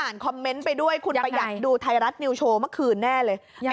เราอยากดูโชว์เมื่อคืนนแน่เลย